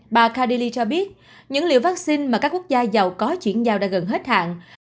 bà kadili cho biết những liều vaccine mà các quốc gia giàu có chuyển giao đã gần hết hạn